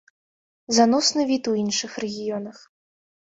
Заносны від у іншых рэгіёнах.